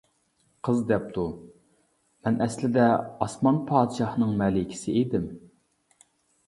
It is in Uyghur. قىز دەپتۇ مەن ئەسلىدە ئاسمان پادىشاھىنىڭ مەلىكىسى ئىدىم.